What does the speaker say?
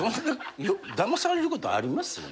だまされることあります？